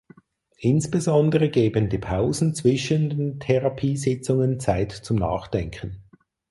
Insbesondere geben die Pausen zwischen den Therapiesitzungen Zeit zum Nachdenken.